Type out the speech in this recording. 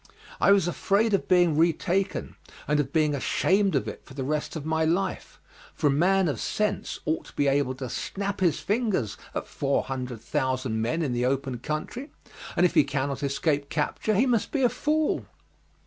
I was afraid of being retaken, and of being ashamed of it for the rest of my life; for a man of sense ought to be able to snap his fingers at four hundred thousand men in the open country, and if he cannot escape capture he must be a fool.